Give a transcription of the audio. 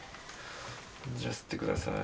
じゃあ吸ってください。